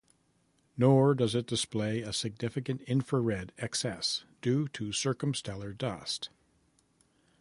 Nor does it display a significant infrared excess due to circumstellar dust.